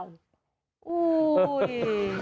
อู้วนี่